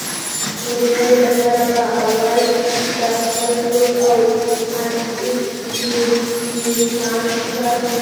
نو د هغې له پاره به اول پۀ خپل سوچ او اېکزیکيوشن کار کوي